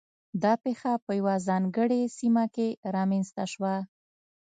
دا پېښه په یوه ځانګړې سیمه کې رامنځته شوه.